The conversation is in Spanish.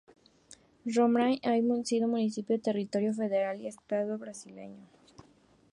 Roraima ha sido municipio, territorio federal y estado brasileño.